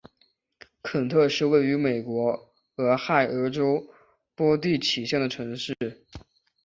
肯特是位于美国俄亥俄州波蒂奇县的城市。